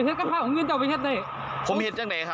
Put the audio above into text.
เจ้าอย่างในเงินมันว่ะเจ้าอย่างในเงินมันว่ะ